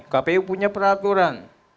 kpu punya peraturan